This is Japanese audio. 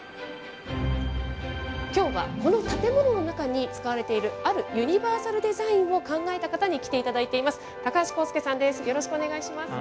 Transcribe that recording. きょうはこの建物の中に使われている、あるユニバーサルデザインを考えた方に来ていただいています。